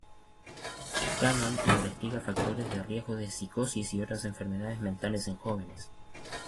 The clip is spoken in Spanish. Cannon investiga factores de riesgo de psicosis y otras enfermedades mentales en jóvenes.